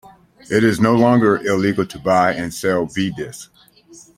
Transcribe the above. It is no longer illegal to buy and sell V-Discs.